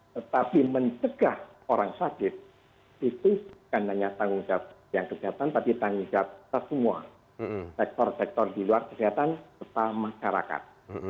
tetapi mencegah orang sakit itu bukan hanya tanggung jawab kesehatan tapi tanggung jawab kita semua sektor sektor di luar kesehatan serta masyarakat